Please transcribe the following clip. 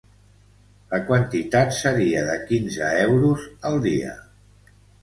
La quantitat seria de quinze euros al dia.